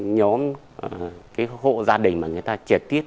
nhóm hộ gia đình người ta trực tiếp